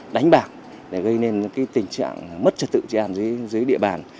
đánh bạc để gây nên tình trạng mất trật tự trên địa bàn